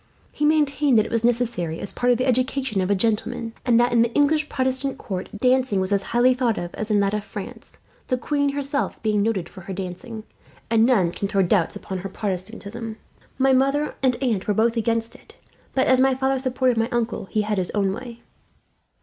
He maintained that it was necessary, as part of the education of a gentleman; and that in the English Protestant court, dancing was as highly thought of as in that of France, the queen herself being noted for her dancing, and none can throw doubts upon her Protestantism. My mother and aunt were both against it, but as my father supported my uncle, he had his own way."